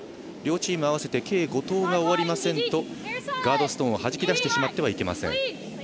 両チーム合わせて計５投が終わりませんとガードストーンをはじき出してはいけません。